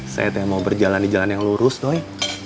saya mau berjalan di jalan yang lurus noi